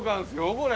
これ。